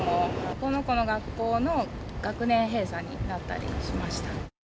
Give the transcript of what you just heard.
この子の学校も学年閉鎖になったりしました。